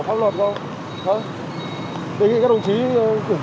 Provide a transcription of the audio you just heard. đề nghị các đồng chí kiểm tra xử lý trường hợp này